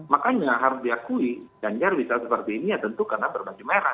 makanya harus diakui ganjar bisa seperti ini ya tentu karena berbaju merah